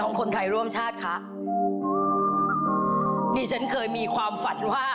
ของท่านได้เสด็จเข้ามาอยู่ในความทรงจำของคน๖๗๐ล้านคนค่ะทุกท่าน